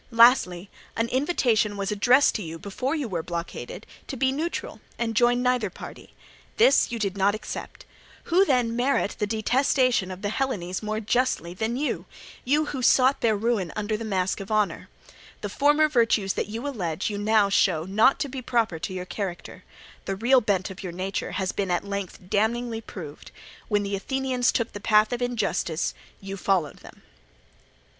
Lastly, an invitation was addressed to you before you were blockaded to be neutral and join neither party: this you did not accept. Who then merit the detestation of the Hellenes more justly than you, you who sought their ruin under the mask of honour? The former virtues that you allege you now show not to be proper to your character; the real bent of your nature has been at length damningly proved: when the Athenians took the path of injustice you followed them.